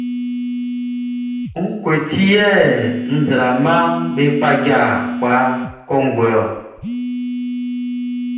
Ngue ti yɛ nzraamaʼm be kpaja kpa kɔnguɛ ɔ?